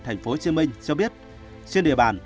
tp hcm cho biết trên địa bàn